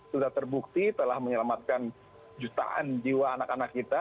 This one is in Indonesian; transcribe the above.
sudah terbukti telah menyelamatkan jutaan jiwa anak anak kita